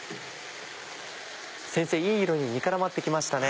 先生いい色に煮絡まって来ましたね。